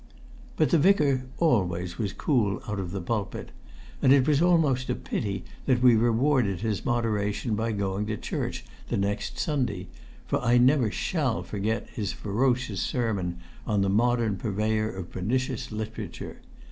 But the Vicar always was cool out of the pulpit; and it was almost a pity that we rewarded his moderation by going to church the next Sunday, for I never shall forget his ferocious sermon on the modern purveyor of pernicious literature.